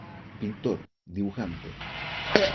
Pintor, dibujante.